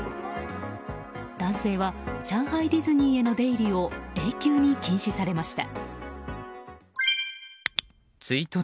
男性は、上海ディズニーへの出入りを永久に禁止されました。